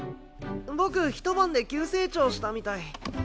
僕一晩で急成長したみたい。